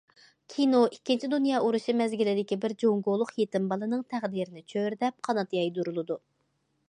كىنو ئىككىنچى دۇنيا ئۇرۇشى مەزگىلىدىكى بىر جۇڭگولۇق يېتىم بالىنىڭ تەقدىرىنى چۆرىدەپ قانات يايدۇرۇلىدۇ.